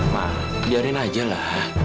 ma biarin aja lah